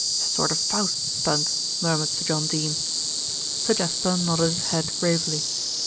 "A sort of Faust stunt," murmured Sir John Dene. Sir Jasper nodded his head gravely.